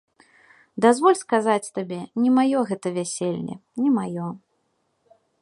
Дазволь сказаць табе, не маё гэта вяселле, не маё.